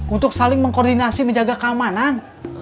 untuk saling mengkoordinasi menjaga keamanan